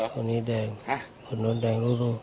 คนนี้แดงคนนู้นแดงลูก